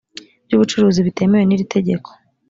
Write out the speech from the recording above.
by ubucuruzi bitemewe n iri tegeko